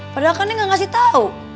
padahal kan neng gak ngasih tau